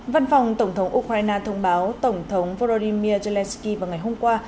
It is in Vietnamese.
văn phòng tổng thống ukraine thông báo tổng thống volodymyr zelensky vào ngày hôm qua